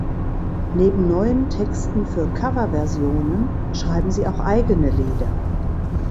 Neben neuen Texten für Coverversionen schreiben sie auch eigene Lieder.